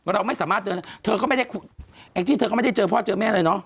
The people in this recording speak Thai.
เราไม่สามารถแอคสีเธอก็ไม่ได้เจอพ่อเจอแม่เลยเนาะ